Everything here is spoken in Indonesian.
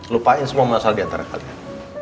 lupain semua masalah diantara kalian